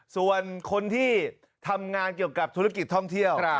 ส่วนคนที่ทำงานเกี่ยวกับธุรกิจท่องเที่ยว